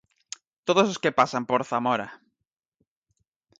Todos os que pasan por Zamora.